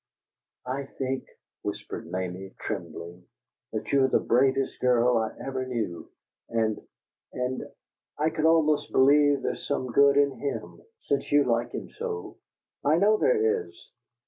"I think," whispered Mamie, trembling, "that you are the bravest girl I ever knew and and I could almost believe there's some good in him, since you like him so. I know there is.